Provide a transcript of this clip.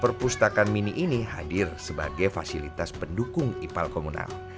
perpustakaan mini ini hadir sebagai fasilitas pendukung ipal komunal